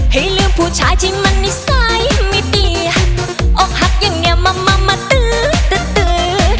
ให้ลืมผู้ชายที่มันนิสัยไม่ดีอกหักอย่างนี้มามาตื้อตื้อ